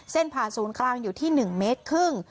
ผ่านศูนย์กลางอยู่ที่๑เมตรครึ่ง